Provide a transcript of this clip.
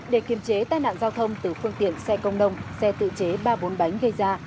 để kiềm chế tai nạn giao thông từ phương tiện xe công nông xe tự chế ba bốn bánh gây ra